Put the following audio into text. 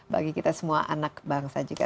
bagi kita semua anak bangsa juga